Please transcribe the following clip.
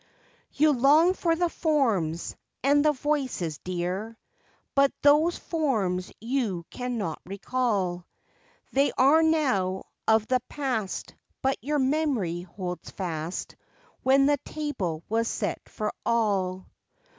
You long for the forms and the voices dear But those forms you cannot recall, They are now of the past, But your memory holds fast When the table was set for all.